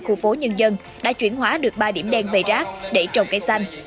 khu phố nhân dân đã chuyển hóa được ba điểm đen về rác để trồng cây xanh